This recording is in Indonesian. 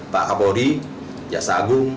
pak apodi jasa agung